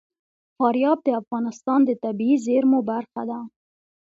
فاریاب د افغانستان د طبیعي زیرمو برخه ده.